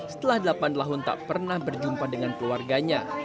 setelah delapan tahun tak pernah berjumpa dengan keluarganya